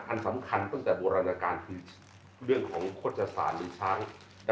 อันสำคัญตั้งแต่โบราณการคือเรื่องของโฆษศาสตร์หรือช้าง